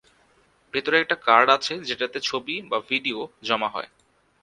ভেতরে একটা কার্ড আছে যেটাতে ছবি বা ভিডিয়ো জমা হয়।